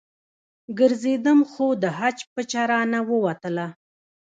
ګرځېدم خو د حج پچه رانه ووتله.